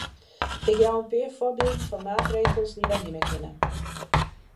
Ik jou in pear foarbylden fan maatregels dy't wy nimme kinne.